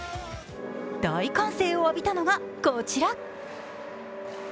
大歓声を浴びたのがこちら。